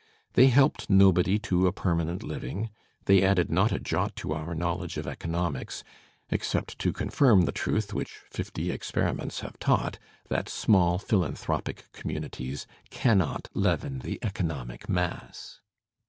They helped nobody to a permanent Uving; they added not a jot to our knowledge of economics, except to confirm the truth which fifty experiments have taught, that small philanthropic com munities cannot leaven the economic mass.